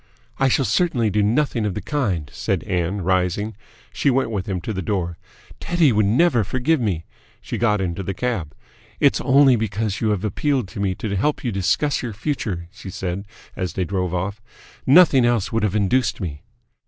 "I shall certainly do nothing of the kind," said Ann, rising. She went with him to the door. "Teddy would never forgive me." She got into the cab. "It's only because you have appealed to me to help you discuss your future," she said, as they drove off. "Nothing else would have induced me